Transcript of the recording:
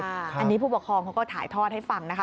อันนี้ผู้ปกครองเขาก็ถ่ายทอดให้ฟังนะคะ